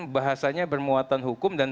bahasanya bermuatan hukum dan